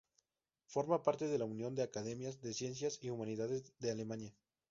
Forma parte de la Unión de Academias de Ciencias y Humanidades de Alemania.